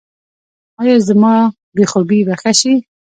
ایا زما بې خوبي به ښه شي؟